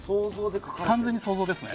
完全に想像ですね。